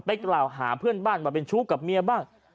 กล่าวหาเพื่อนบ้านมาเป็นชู้กับเมียบ้าง